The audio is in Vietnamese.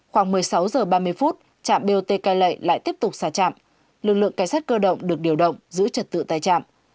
khoảng một mươi sáu h ba mươi phút trạm bot cai lệ lại tiếp tục xả trạm lực lượng cảnh sát cơ động được điều động giữ trật tự tại trạm